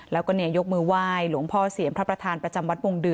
แล้วก็เนี่ยยกมือไหว่หลวงพ่อเสียมพระประทานประจำวัด